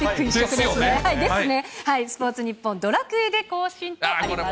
ですね、スポーツニッポン、ドラクエで行進とあります。